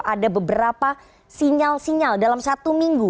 ada beberapa sinyal sinyal dalam satu minggu